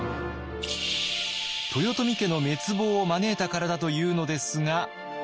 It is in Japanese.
豊臣家の滅亡を招いたからだというのですが。